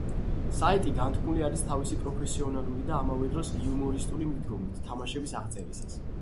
საიტი განთქმული არის თავისი პროფესიონალური და, ამავე დროს იუმორისტული მიდგომით თამაშების აღწერისას.